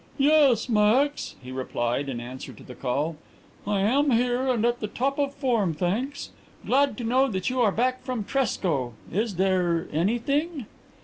"Yes, Max," he replied, in answer to the call, "I am here and at the top of form, thanks. Glad to know that you are back from Trescoe. Is there anything?"